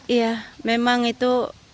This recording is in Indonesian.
iya memang itu